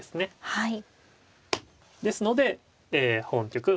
はい。